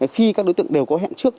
khi các đối tượng đều có hẹn trước